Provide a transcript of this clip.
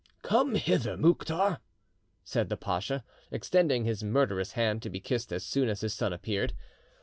"Come hither, Mouktar," said the pacha, extending his murderous hand to be kissed as soon as his son appeared.